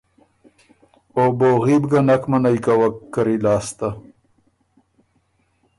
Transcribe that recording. او بوغي بو ګۀ نک منعئ کوَک کری لاسته۔